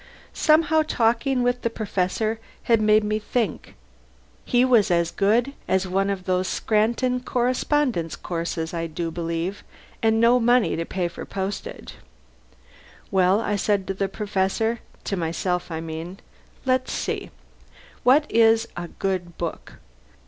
Somehow, talking with the Professor had made me think. He was as good as one of those Scranton correspondence courses, I do believe, and no money to pay for postage. Well, I said to the Professor to myself I mean let's see: what is a good book?